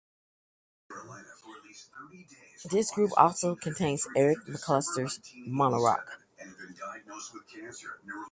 This group also contained Eric McCusker of Mondo Rock.